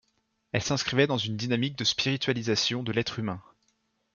Elle s’inscrivait dans une dynamique de spiritualisation de l’être humain.